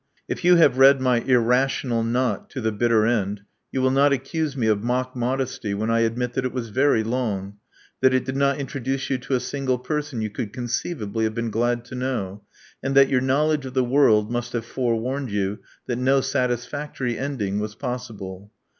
If you have read my Irra tional Knot" to the bitter end, you will not accuse me of mock modesty when I admit that it was very long; that it did not introduce you to a single person you could conceivably have been glad to know ; and that your knowledge of the world must have forewarned you that no satisfactory ending was possible.